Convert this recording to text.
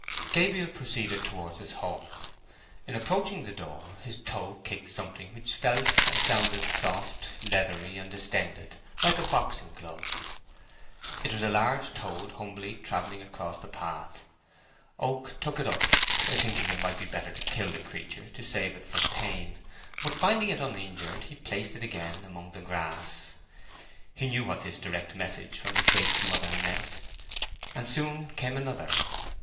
Gabriel proceeded towards his home. In approaching the door, his toe kicked something which felt and sounded soft, leathery, and distended, like a boxing glove. It was a large toad humbly travelling across the path. Oak took it up, thinking it might be better to kill the creature to save it from pain; but finding it uninjured, he placed it again among the grass. He knew what this direct message from the Great Mother meant. And soon came another.